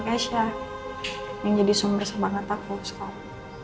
sama keisha yang jadi sumber sama anget aku sekarang